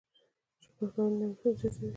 شکر کول نعمتونه زیاتوي